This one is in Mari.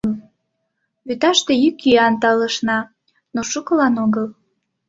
Вӱташте йӱк-йӱан талышна, но шукылан огыл.